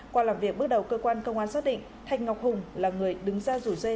qua làm việc bước đầu cơ quan công an xác định thanh ngọc hùng là người đứng ra rủi rê